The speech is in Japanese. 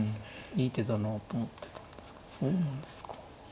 いい手だなと思ってたんですがそうなんですか。